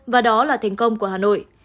và đó là thành công của hà nội